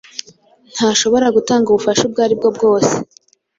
Ntashobora gutanga ubufasha ubwo aribwo bwose